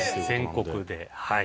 全国ではい。